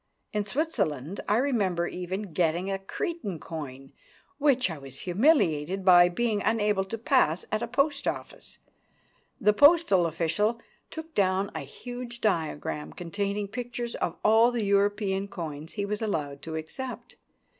In Switzerland I remember even getting a Cretan coin, which I was humiliated by being unable to pass at a post office. The postal official took down a huge diagram containing pictures of all the European coins he was allowed to accept.